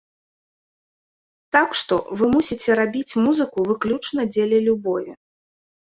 Так што, вы мусіце рабіць музыку выключна дзеля любові.